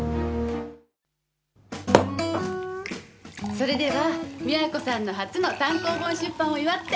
それでは美和子さんの初の単行本出版を祝って。